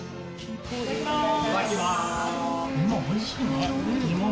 いただきまーす。